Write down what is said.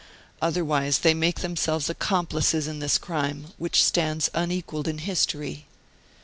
Otherwise they make themselves accomplices in this crime, which stands unequalled in history.